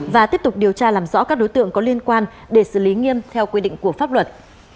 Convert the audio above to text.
và tiếp tục điều tra làm rõ các đối tượng có liên quan để xử lý nghiêm theo quy định của pháp luật